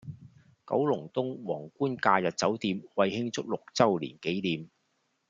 九龍東皇冠假日酒店為慶祝六週年紀念